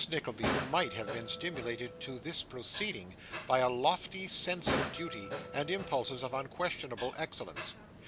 Nickleby might have been stimulated to this proceeding by a lofty sense of duty, and impulses of unquestionable excellence.